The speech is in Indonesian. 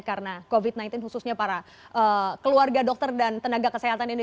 karena covid sembilan belas khususnya para keluarga dokter dan tenaga kesehatan ini